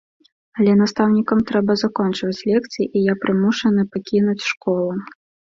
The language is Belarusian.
Але настаўнікам трэба закончваць лекцыі, і я прымушаны пакінуць школу.